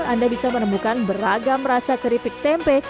anda bisa menemukan beragam rasa keripik tempe